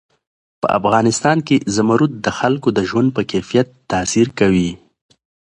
په افغانستان کې زمرد د خلکو د ژوند په کیفیت تاثیر کوي.